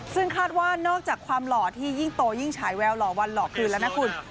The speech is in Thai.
ซึ่งคาดว่านอกจากความหล่อที่ยิ่งโตยิ่งฉายแววหล่อวันหล่อคืนแล้วนะคุณ